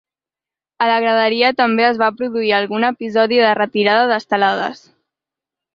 A la graderia també es va produir algun episodi de retirada d’estelades.